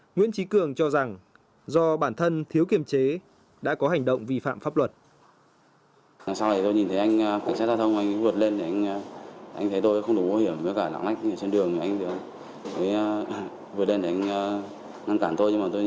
nguyễn trí cường cho rằng do bản thân thiếu kiềm chế đã có hành động vi phạm pháp luật